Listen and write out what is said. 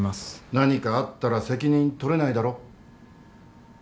何かあったら責任取れないだろ。